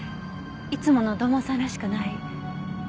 いつもの土門さんらしくない。